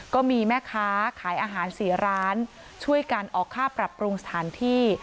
ก็มีแม่ค้าขายอาหาร๔ร้านช่วยกันออกค่าปรับปรุงสถานที่